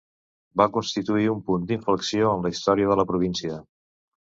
Va constituir un punt d'inflexió en la història de la província.